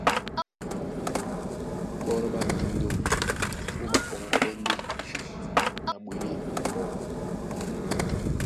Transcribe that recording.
Ɓɔ́lɔ ɓá mǐndó ɓó mapɔŋgɔ́ɓɛ́ ndé na ɓwelé ɓɔɔ́.